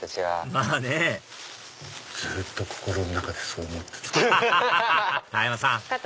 まぁねずっと心の中でそう思ってた。